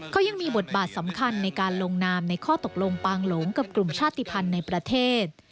เขายังมีบทบาทสำคัญในการลงนามในข้อตกลงปางหลงกับกลุ่มชาติภัณฑ์ในประเทศ